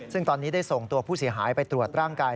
ซึ่งตอนนี้ได้ส่งตัวผู้เสียหายไปตรวจร่างกาย